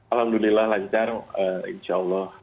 alhamdulillah lancar insya allah